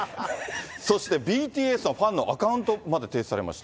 そしてＢＴＳのファンのアカウントまで停止されました。